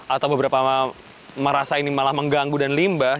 atau beberapa merasa ini malah mengganggu dan limbah